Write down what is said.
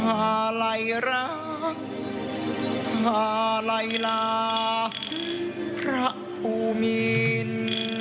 อาลัยรักหาลัยลาพระภูมิน